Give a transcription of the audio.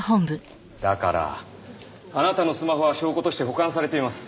だからあなたのスマホは証拠として保管されています。